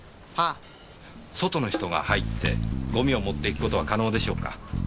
外の人が入ってゴミを持って行くことは可能でしょうか？